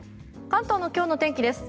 関東の今日の天気です。